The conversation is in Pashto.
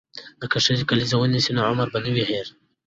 که ښځې کلیزه ونیسي نو عمر به نه وي هیر.